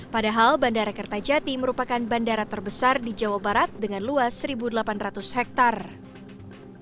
padahal bandara kertajati merupakan bandara terbesar di jawa barat dengan luas satu delapan ratus hektare